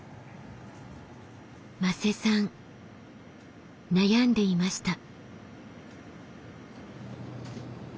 馬瀬さん悩んでいました。